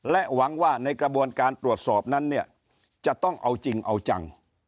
หวังว่าในกระบวนการตรวจสอบนั้นเนี่ยจะต้องเอาจริงเอาจัง